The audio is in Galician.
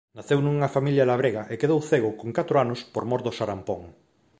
Naceu nunha familia labrega e quedou cego con catro anos por mor do xarampón.